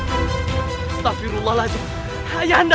ayahanda bersabarlah ayahanda